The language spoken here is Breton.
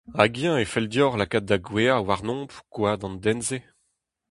Hag-eñ e fell deoc’h lakaat da gouezhañ warnomp gwad an den-se ?